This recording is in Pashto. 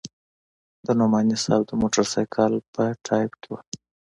د نعماني صاحب د موټرسایکل په ټایپ کې وه.